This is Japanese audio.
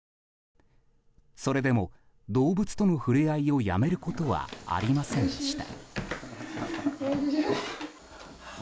それでも動物との触れ合いをやめることはありませんでした。